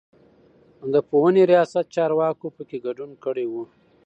د پوهنې رياست چارواکو په کې ګډون کړی و.